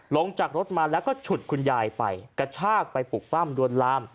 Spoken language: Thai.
ลงจากรถมาแล้วก็ฉุดคุณยายไปกระชากไปปลุกปั้มลวนลาม